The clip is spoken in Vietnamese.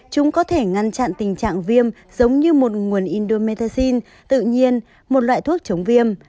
chúng có thể ngăn chặn tình trạng viêm giống như một nguồn indometaxin tự nhiên một loại thuốc chống viêm